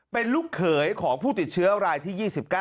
เป็นลูกเขยของผู้ติดเชื้อรายที่๒๙